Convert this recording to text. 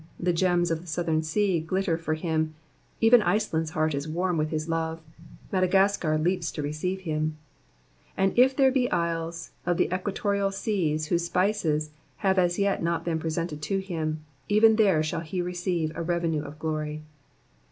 the gems of the Southern Sea glitter for him, even Iceland's heart is warm with his love, Madagascar leaps to receive him ; and if there be isles of the equatorial s^as whose spices have as yet not been presented to him, even there shall he receive a revenue of glory.